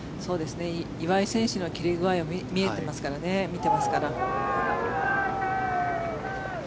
岩井選手の切れ具合を見てますから。